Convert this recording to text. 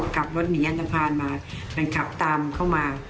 กลับรถหนีกันจะผ่านมามันขับตามเข้ามา